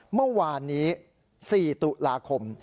เมื่อวานนี้๔ตุลาคม